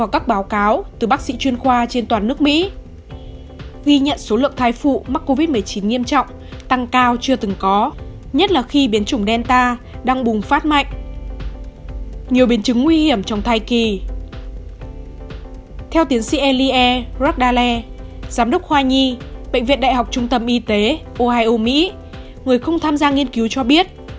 các bạn hãy đăng ký kênh để ủng hộ kênh của chúng mình nhé